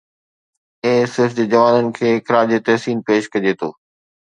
اي S F جي جوانن کي خراج تحسين پيش ڪجي ٿو